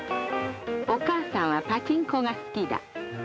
お母さんはパチンコが好きだ。